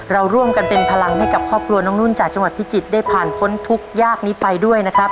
เราร่วมกันเป็นพลังให้กับครอบครัวน้องนุ่นจากจังหวัดพิจิตรได้ผ่านพ้นทุกข์ยากนี้ไปด้วยนะครับ